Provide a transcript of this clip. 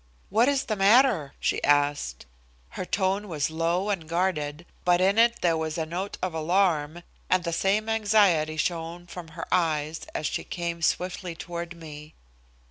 "What is the matter?" she asked. Her tone was low and guarded, but in it there was a note of alarm, and the same anxiety shown from her eyes as she came swiftly toward me.